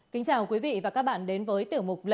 xin chào quý vị và các bạn đến với tử mục